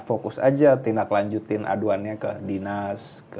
fokus aja tindak lanjutin aduannya ke dinas